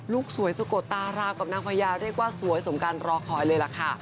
สวยสะกดตารากับนางพญาเรียกว่าสวยสมการรอคอยเลยล่ะค่ะ